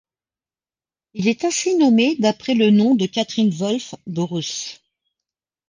Il est ainsi nommé d'après le nom de Catherine Wolfe Bruce.